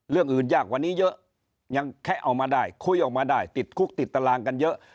เรื่องอื่นยากกว่านี้เยอะยังแค่เอามาได้คุยออกมาได้ติดคุกติดตารางกันเยอะ